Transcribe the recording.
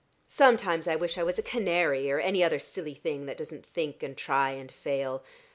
Sometimes I wish I was a canary or any other silly thing that doesn't think and try and fail.